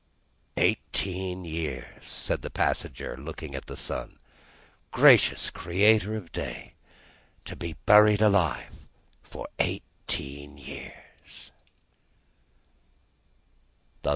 "Eighteen years!" said the passenger, looking at the sun. "Gracious Creator of day! To be buried alive for eighteen years!"